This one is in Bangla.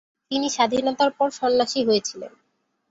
তিনি স্বাধীনতার পর সন্ন্যাসী হয়েছিলেন।